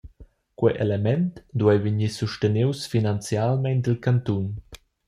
Quei element duei vegnir sustenius finanzialmein dil cantun.